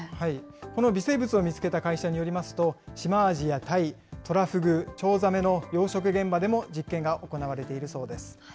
この微生物を見つけた会社によりますと、シマアジやタイ、トラフグ、チョウザメの養殖現場でも実験が行われているそうです。